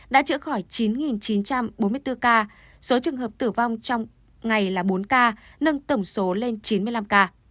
đã chữa khỏi chín chín trăm bốn mươi bốn ca số trường hợp tử vong trong ngày là bốn ca nâng tổng số lên chín mươi năm ca